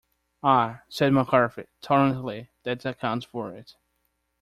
"Ah," said Mccarthy, tolerantly, "that accounts for it."